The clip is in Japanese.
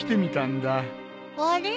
あれ？